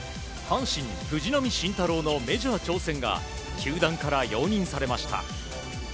阪神、藤浪晋太郎のメジャー挑戦が球団から容認されました。